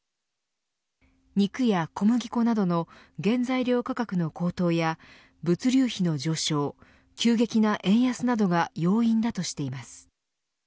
肉や小麦粉などの原材料価格の高騰や物流費の上昇急激な円安などが要因だとしています。